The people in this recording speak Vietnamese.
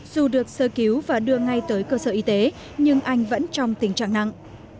dù được sơ cứu và đưa ngay tới cơ sở y tế nhưng anh vẫn trong tình trạng nặng